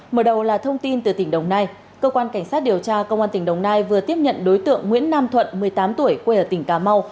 mở đầu là thông tin từ tỉnh đồng nai cơ quan cảnh sát điều tra công an tỉnh đồng nai vừa tiếp nhận đối tượng nguyễn nam thuận một mươi tám tuổi quê ở tỉnh cà mau